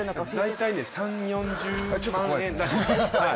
大体３０４０万円らしいです。